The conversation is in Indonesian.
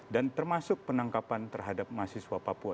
dan termasuk penangkapan terhadap mahasiswa papua